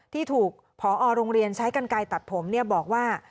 ที่ถูกพอโรงเรียนใช้กันไกลตัดผมบอกว่า